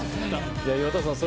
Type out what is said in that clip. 岩田さん